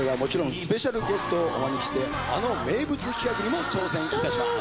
スペシャルゲストをお招きしてあの名物企画にも挑戦いたします。